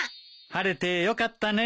晴れてよかったね。